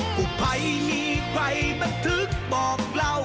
คุณภัยมีใครบัฒนึกบอกเรา